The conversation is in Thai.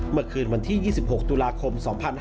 เมื่อคืนวันที่๒๖ตุลาคม๒๕๕๙